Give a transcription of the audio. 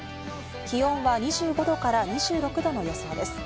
気温は２５度から２６度の予想です。